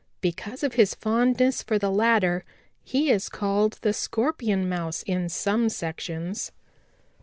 Because of his fondness for the latter he is called the Scorpion Mouse in some sections.